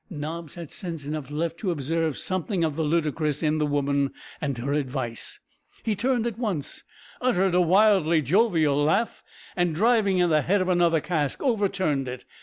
Nobbs had sense enough left to observe something of the ludicrous in the woman and her advice. He turned at once, uttered a wildly jovial laugh, and driving in the head of another cask, overturned it.